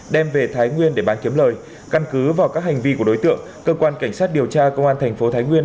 đem về thái nguyên để bán kiếm lời căn cứ vào các hành vi của đối tượng cơ quan cảnh sát điều tra công an thành phố thái nguyên